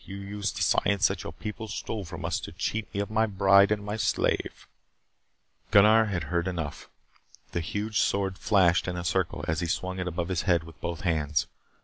You used the science that your people stole from us to cheat me of my bride and my slave." Gunnar had heard enough. The huge sword flashed in a circle as he swung it above his head with both hands.